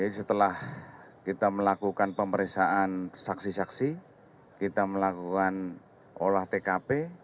setelah kita melakukan pemeriksaan saksi saksi kita melakukan olah tkp